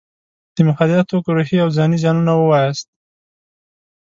د مخدره توکو روحي او ځاني زیانونه ووایاست.